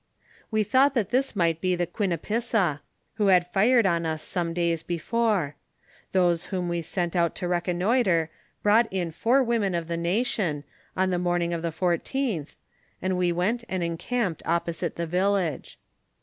We thought that this might be the Quinipissa, who had fired on us some days before ; those whom we sent out to reconnoitre brought in four women of the nation, on the morning of the fourteenth, and we went and encamped opposite the village.